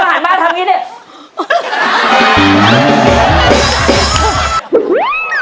น้องมาทำงี้เดี๋ยว